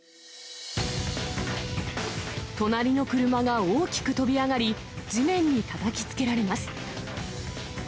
隣の車が大きく飛び上がり、地面にたたきつけられます。